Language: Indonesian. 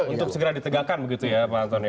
untuk segera ditegakkan begitu ya pak anton ya